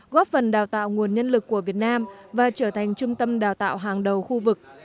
góp phần đào tạo nguồn nhân lực của việt nam và trở thành trung tâm đào tạo hàng đầu khu vực